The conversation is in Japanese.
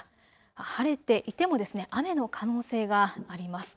晴れていても雨の可能性があります。